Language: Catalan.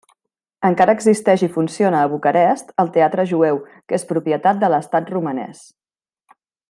Encara existeix i funciona a Bucarest el Teatre Jueu, que és propietat de l'Estat romanès.